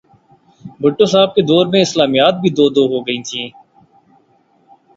بھٹو صاحب کے دور میں اسلامیات بھی دو ہو گئی تھیں۔